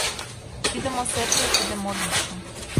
Тиде мо серже, тиде мо вӱдшӧ